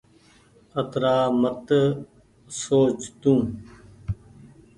اترآ مت سوچ تو۔